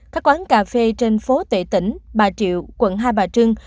các quán cà phê trên phố tệ tỉnh bà triệu quận hai bà trưng